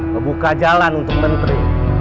ngebuka jalan untuk menteri